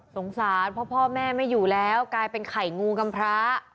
สารเพราะพ่อแม่ไม่อยู่แล้วกลายเป็นไข่งูกำพระ